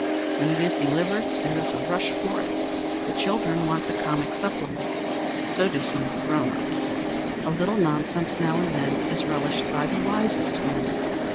When it is delivered there is a rush for it. The children want the comic supplement. So do some of the grownups. "A little nonsense now and then, Is relished by the wisest men."